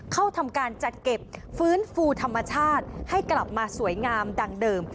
เข้าทำการจัดเก็บฟื้นฟูธรรมชาติให้กลับมาสวยงามดังเดิม